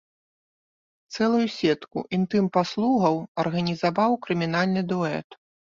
Цэлую сетку інтым-паслугаў арганізаваў крымінальны дуэт.